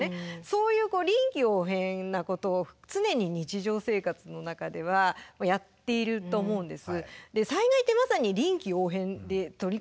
そういう臨機応変なことを常に日常生活の中ではやっていると思うんです。